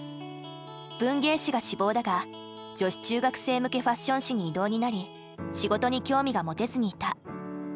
文芸誌が志望だが女子中学生向けファッション誌に異動になり仕事に興味が持てずにいた。